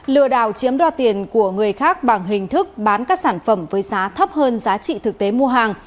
lừa đảo chiếm đo tiền của người khác bằng hình thức bán các sản phẩm với giá thấp hơn giá trị thực tế mua hàng